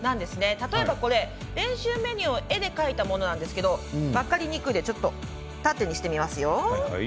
例えば、これ練習メニューを絵で描いたものなんですが分かりにくいのでちょっと縦にしてみますよ。